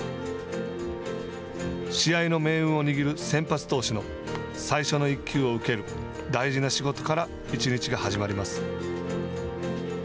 試合の命運を握る先発投手の最初の１球を受ける大事な仕事から１日が始まります。